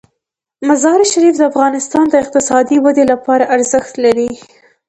مزارشریف د افغانستان د اقتصادي ودې لپاره ارزښت لري.